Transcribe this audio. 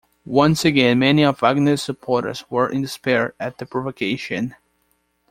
Once again many of Wagner's supporters were in despair at the provocation.